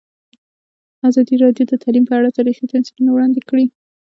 ازادي راډیو د تعلیم په اړه تاریخي تمثیلونه وړاندې کړي.